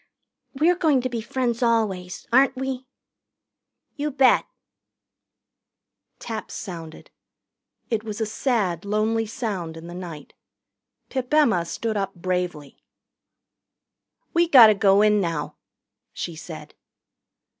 "We're going to be friends always, aren't we?" "You bet." Taps sounded. It was a sad, lonely sound in the night. Pip Emma stood up bravely. "We gotter go in now," she said.